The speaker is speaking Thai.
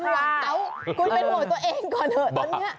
คุณเป็นหัวตัวเองก่อนเถอะตอนเนี่ย